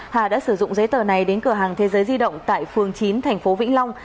hà đã sử dụng giấy tờ này đến cửa hàng thế giới di động tại phường chín thành phố vĩnh long